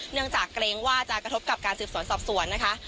จากเกรงว่าจะกระทบกับการสืบสวนสอบสวนนะคะ